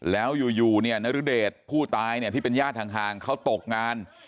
แล้วอยู่นฤเดศผู้ตายที่เป็นญาติทางห่างเขาตกงาน